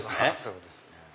そうですね。